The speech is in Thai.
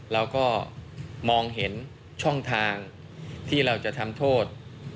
เราก็มองเห็นช่องทางที่เราจะทำโทษ